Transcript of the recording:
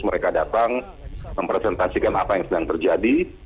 mereka datang mempresentasikan apa yang sedang terjadi